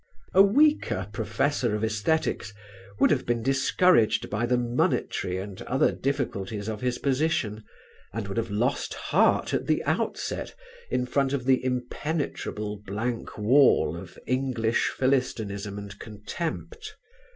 A weaker professor of Æsthetics would have been discouraged by the monetary and other difficulties of his position and would have lost heart at the outset in front of the impenetrable blank wall of English philistinism and contempt.